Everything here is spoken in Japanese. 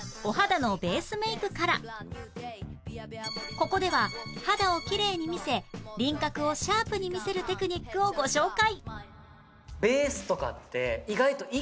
ここでは肌をきれいに見せ輪郭をシャープに見せるテクニックをご紹介